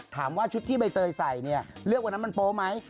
ถามว่าชุดที่ใบเตยใส่เนี่ยเลือกวันนั้นมันโป๊ไหม